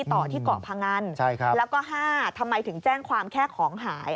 ต่อที่เกาะพงันแล้วก็๕ทำไมถึงแจ้งความแค่ของหาย